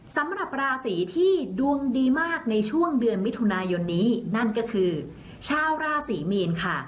สำหรับราศีที่ดวงดีมากในช่วงเดือนมิถุนายนนี้นั่นก็คือชาวราศรีมีนค่ะ